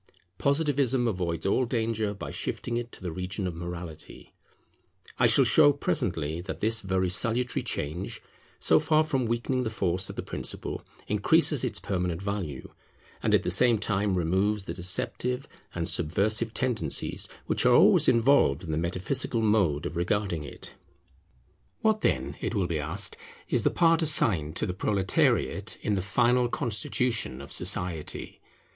Positivism avoids all danger by shifting it to the region of morality. I shall show presently that this very salutary change, so far from weakening the force of the principle, increases its permanent value, and at the same time removes the deceptive and subversive tendencies which are always involved in the metaphysical mode of regarding it. [The People's function is to assist the spiritual power in modifying the action of government] What then, it will be asked, is the part assigned to the Proletariate in the final constitution of society?